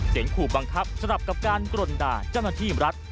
เสียงขู่บังคับสำหรับกับการกรนด่าเจ้าหน้าที่รัฐ